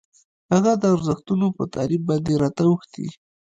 هغه د ارزښتونو په تعریف باندې راته اوښتي.